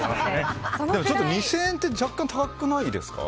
でも２０００円って若干高くないですか？